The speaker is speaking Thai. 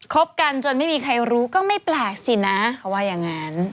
บกันจนไม่มีใครรู้ก็ไม่แปลกสินะเขาว่าอย่างนั้น